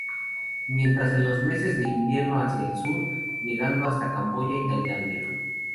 Migran en los meses de invierno hacia el sur, llegando hasta Camboya y Tailandia.